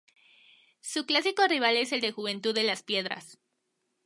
Su clásico rival es el Juventud de las Piedras.